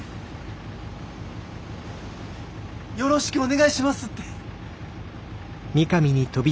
「よろしくお願いします」って！